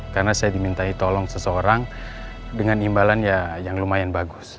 karena saya dimintai tolong seseorang dengan imbalan yang lumayan bagus